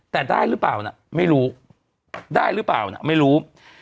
แต่ได้หรือเปล่านะไม่รู้ได้หรือเปล่านะไม่รู้